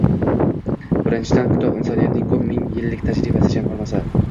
Birinchidan, kitob insoniyatning ko‘p ming yillik tajribasi jamg‘armasi;